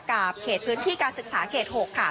กับเขตพื้นที่การศึกษาเขต๖ค่ะ